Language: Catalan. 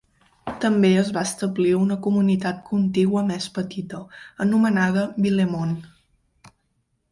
També es va establir una comunitat contigua més petita, anomenada Villemont.